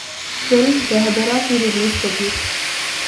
film ’Rahbara‘ کی release کو بھی